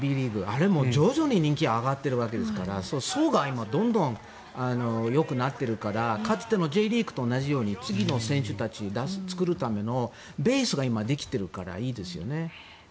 あれも徐々に人気が上がっているわけですから層が今どんどんよくなっているからかつてのＪリーグと同じように次の選手たちを作るためのベースが今、できてるからいいですよね。